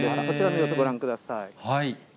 そちらの様子、ご覧ください。